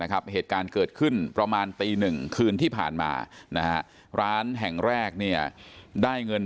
การเกิดขึ้นประมาณตี๑คืนที่ผ่านมานะร้านแห่งแรกเนี่ยได้เงิน